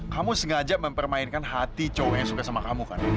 kamu sengaja mempermainkan hati cowok yang suka sama kamu kan